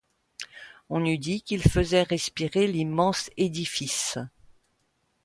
On eût dit qu'il faisait respirer l'immense édifice.